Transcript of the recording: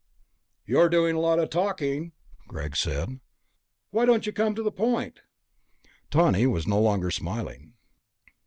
"You're doing a lot of talking," Greg said. "Why don't you come to the point?" Tawney was no longer smiling.